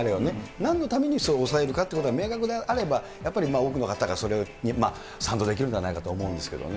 なんのためにそれを抑えるかということが明確であれば、やっぱり多くの方がそれに賛同できるんじゃないかと思いますけどね。